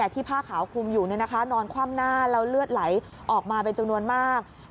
ผ้าขาวคลุมอยู่นอนคว่ำหน้าแล้วเลือดไหลออกมาเป็นจำนวนมาก